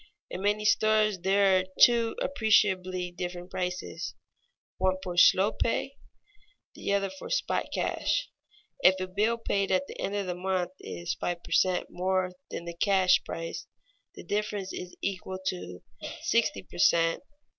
In many stores there are two appreciably different prices, one for "slow pay," the other for "spot cash." If a bill paid at the end of the month is five per cent. more than the cash price, the difference is equal to sixty per cent.